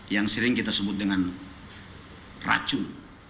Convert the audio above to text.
yang sering kita sebut dengan racun